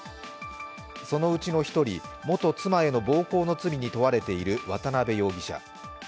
そのうちの１人、元妻への暴行の罪に問われている渡辺容疑者。